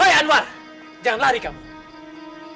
saya anwar jangan lari kamu